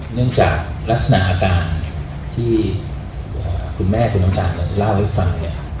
เนื่องจากลักษณะอาการที่คุณแม่คุณน้ำตาลเล่าให้ฟังเนี่ย